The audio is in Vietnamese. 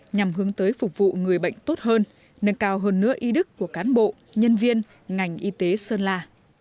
nhằm hướng tới phục vụ người bệnh tốt hơn nâng cao hơn nữa ý đức của cán bộ nhân viên ngành y tế sơn la